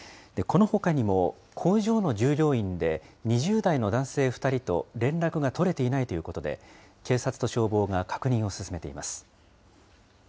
このほかにも、工場の従業員で、２０代の男性２人と連絡が取れていないということで、警察と消防が確認を進めています。